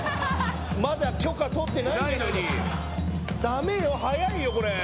まだ許可取ってないんじゃないダメよ早いよこれ。